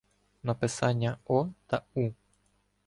Написання о та у